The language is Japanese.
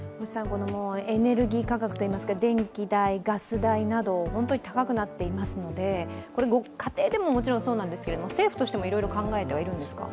エネルギー価格といいますか電気代、ガス代など本当に高くなっていますので家庭でももちろんそうですけど政府としてもいろいろ考えてはいるんですか？